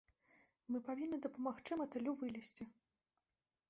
Мы павінны дапамагчы матылю вылезці.